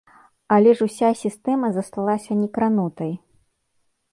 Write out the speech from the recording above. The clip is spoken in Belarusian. Але ж уся сістэма засталася некранутай.